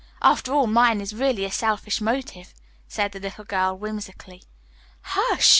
After all, mine is really a selfish motive," said the little girl whimsically. "Hush!"